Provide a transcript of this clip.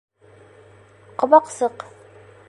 Ҡабаҡсыҡ